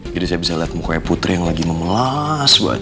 jadi saya bisa liat mukanya putri yang lagi memelas buat